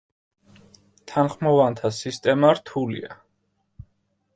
თანხმოვანთა სისტემა რთულია.